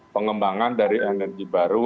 pengembangan dari energi baru